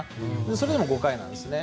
それでも５回なんですね。